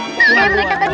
kayak mereka tadi